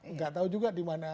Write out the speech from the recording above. nggak tahu juga dimana